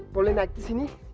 boleh naik disini